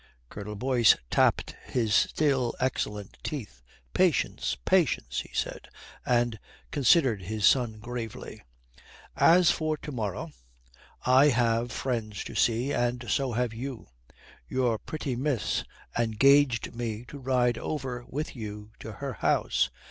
Colonel Boyce tapped his still excellent teeth. "Patience, patience," he said, and considered his son gravely. "As for to morrow, I have friends to see, and so have you. Your pretty miss engaged me to ride over with you to her house.